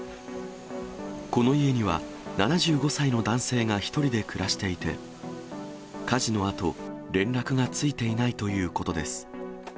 この家には、７５歳の男性が１人で暮らしていて、火事のあと、連絡がついていないということです。